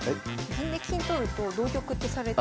銀で金取ると同玉ってされて。